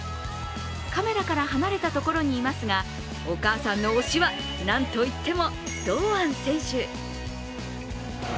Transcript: カメラから離れたところにいますがお母さんの推しはなんといっても堂安選手。